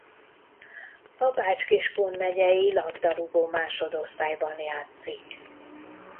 A Bács-Kiskun megyei labdarúgó másodosztályban játszik.